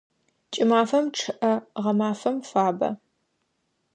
Кӏымафэм чъыӏэ, гъэмафэм фабэ.